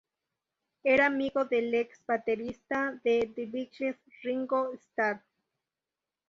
Era amigo del ex baterista de The Beatles, Ringo Starr.